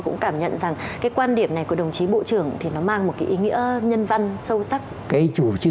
cái quan điểm này của đồng chí bộ trưởng thì nó mang một cái ý nghĩa nhân văn sâu sắc